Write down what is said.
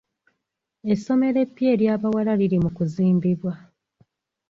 Essomero eppya ery'abawala liri mu kuzimbibwa.